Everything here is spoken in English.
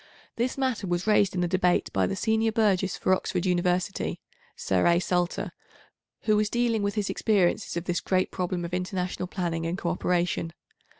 This matter was 867 raised in the Debate by the Senior Burgess for Oxford University (Sir A. Salter), who was dealing with his experiences of this great problem of international planning and co operation.